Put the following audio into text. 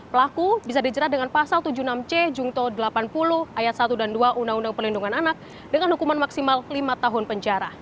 pelaku bisa dijerat dengan pasal tujuh puluh enam c jungto delapan puluh ayat satu dan dua undang undang perlindungan anak dengan hukuman maksimal lima tahun penjara